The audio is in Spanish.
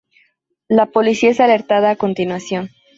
La policía es alertada a continuación.